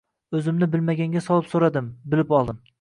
Oʻzimni bilmaganga solib soʻrab, bilib oldim.